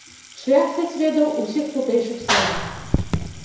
Шляхціц ведаў усіх тутэйшых сялян.